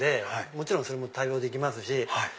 もちろんそれも対応できますし。